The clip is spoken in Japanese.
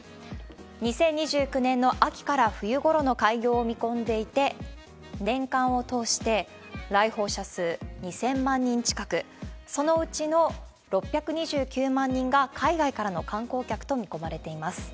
２０２９年の秋から冬ごろの開業を見込んでいて、年間を通して、来訪者数２０００万人近く、そのうちの６２９万人が海外からの観光客と見込まれています。